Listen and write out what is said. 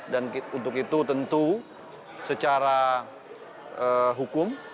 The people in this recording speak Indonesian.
dan untuk itu tentu secara hukum